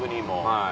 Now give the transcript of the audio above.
はい。